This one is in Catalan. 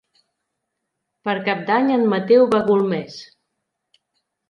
Per Cap d'Any en Mateu va a Golmés.